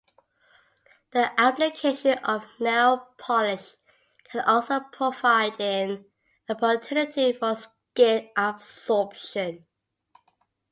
The application of nail polish can also provide an opportunity for skin absorption.